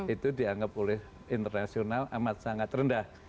itu dianggap oleh internasional amat sangat rendah